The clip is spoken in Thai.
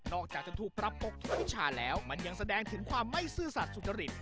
อกจากจะถูกปรับปรุงวิชาแล้วมันยังแสดงถึงความไม่ซื่อสัตว์สุจริต